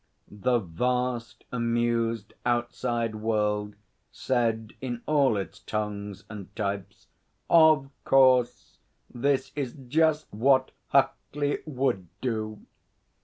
The vast amused outside world said in all its tongues and types: 'Of course! This is just what Huckley would do!'